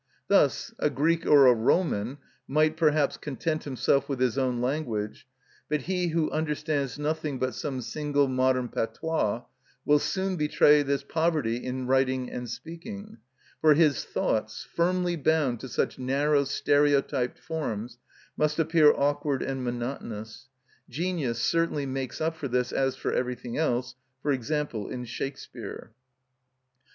Thus a Greek or a Roman might perhaps content himself with his own language, but he who understands nothing but some single modern patois will soon betray this poverty in writing and speaking; for his thoughts, firmly bound to such narrow stereotyped forms, must appear awkward and monotonous. Genius certainly makes up for this as for everything else, for example in Shakespeare.